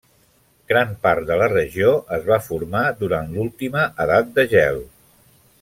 Gran part de la regió es va formar durant l'última Edat de Gel.